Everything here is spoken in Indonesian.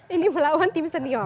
ini melawan tim senior